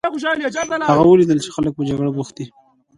هغه ولیدل چې خلک په جګړه بوخت دي.